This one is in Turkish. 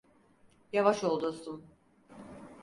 Yavaş ol dostum.